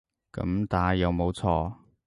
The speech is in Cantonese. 噉打有冇錯